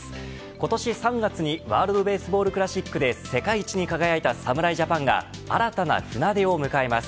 今年３月にワールドベースボールクラシックで世界一に輝いた侍ジャパンが新たな船出を迎えます。